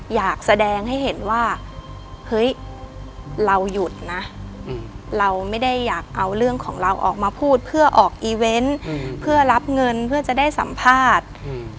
อยากแสดงให้เห็นว่าเฮ้ยเราหยุดนะเราไม่ได้อยากเอาเรื่องของเราออกมาพูดเพื่อออกอีเวนต์เพื่อรับเงินเพื่อจะได้สัมภาษณ์